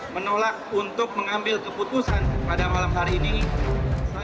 menolak untuk mengambil keputusan pada malam hari ini